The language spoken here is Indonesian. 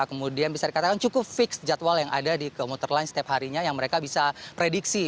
kemudian bisa dikatakan cukup fix jadwal yang ada di komuter lain setiap harinya yang mereka bisa prediksi